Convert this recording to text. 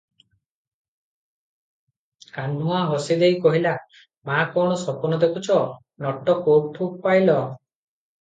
କାହ୍ନୁଆ ହସି ଦେଇ କହିଲା- "ମା' କଣ ସପନ ଦେଖୁଛ- ନୋଟ କୁଠୁ ପାଇଲ?"